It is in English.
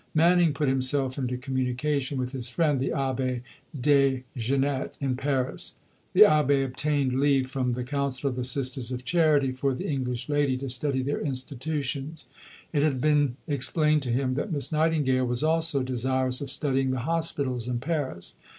Manning put himself into communication with his friend, the Abbé Des Genettes, in Paris. The Abbé obtained leave from the Council of the Sisters of Charity for the English lady to study their institutions. It had been explained to him that Miss Nightingale was also desirous of studying the hospitals in Paris.